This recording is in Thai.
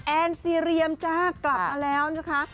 แอนซีเรียมจ้ากลับมาแล้วนะคะ